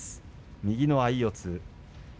右の相四つ。